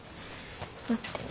待ってね。